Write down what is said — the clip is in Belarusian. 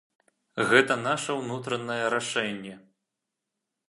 Гэта наша ўнутранае рашэнне.